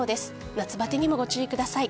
夏バテにも、ご注意ください。